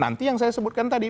nanti yang saya sebutkan tadi